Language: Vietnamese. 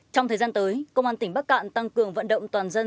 trong thời gian tới công an tỉnh bắc cạn tăng cường vận động toàn dân